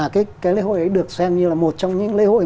cái lễ hội ấy được xem như là một trong những lễ hội